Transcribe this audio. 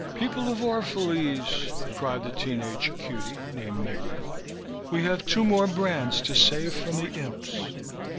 "People of Orphalese," cried the teen age cutie named Meggie, "we have two more brands to save from the imps!"